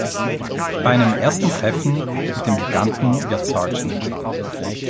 Bei einem ersten Treffen mit dem Giganten wird Sgt.